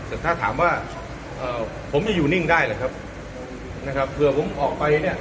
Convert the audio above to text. แต่ถ้าถามว่าเอ่อผมจะอยู่นิ่งได้หรือครับนะครับเผื่อผมออกไปเนี่ย